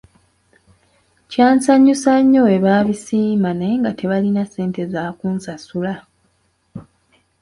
Kyansanyusa nnyo bwe baabisiima naye nga tebalina ssente za kunsasula.